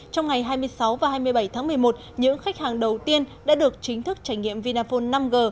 trong ngày hai mươi sáu và hai mươi bảy tháng một mươi một những khách hàng đầu tiên đã được chính thức trải nghiệm vinaphone năm g